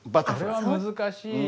これは難しいなあ。